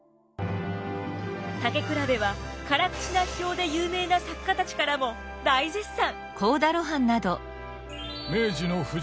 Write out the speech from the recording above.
「たけくらべ」は辛口な批評で有名な作家たちからも大絶賛。